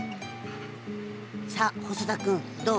さあ細田君どう？